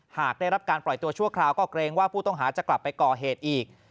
หากได้รับการปล่อยตัวชั่วคราวก็เกรงว่าผู้ต้องหาจะกลับไปก่อเหตุอีก